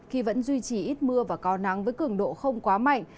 khi vẫn duy trì ít mưa và có nắng với cường độ không quá mạnh